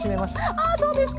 ああそうですか。